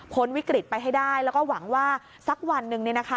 วิกฤตไปให้ได้แล้วก็หวังว่าสักวันหนึ่ง